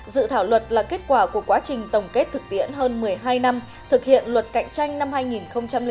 dự thảo luật là kết quả của quá trình tổng kết thực tiễn hơn một mươi hai năm thực hiện luật cạnh tranh năm hai nghìn chín